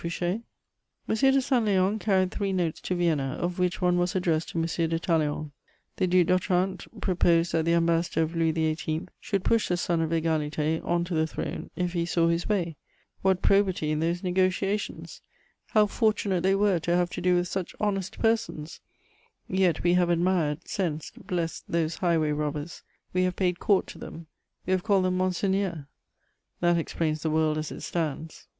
Fouché? M. de Saint Léon carried three notes to Vienna, of which one was addressed to M. de Talleyrand: the Duc d'Otrante proposed that the ambassador of Louis XVIII. should push the son of Égalité on to the throne, if he saw his way! What probity in those negociations! How fortunate they were to have to do with such honest persons! Yet we have admired, censed, blessed those highway robbers; we have paid court to them; we have called them monseigneur! That explains the world as it stands.